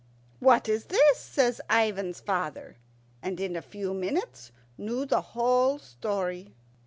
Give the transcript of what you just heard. "What is this?" says Ivan's father, and in a few minutes knew the whole story.